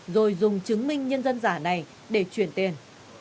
rồi dùng chứng minh nhân dân giả này để chuyển tiền